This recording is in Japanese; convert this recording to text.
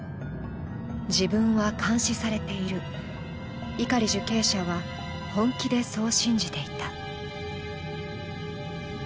自分は監視されている、碇受刑者は本気でそう信じていた。